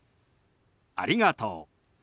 「ありがとう」。